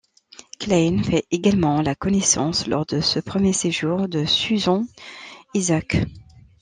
Klein fait également la connaissance, lors de ce premier séjour, de Susan Isaacs.